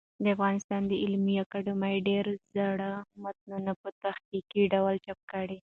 د افغانستان د علومو اکاډمۍ ډېر زاړه متون په تحقيقي ډول چاپ کړل.